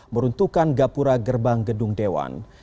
meruntuhkan gapura gerbang gedung dewan